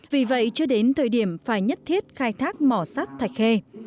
vì vậy chưa đến thời điểm phải nhất thiết khai thác mỏ sắt thạch khê